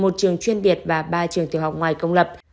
một trường chuyên biệt và ba trường tiểu học ngoài công lập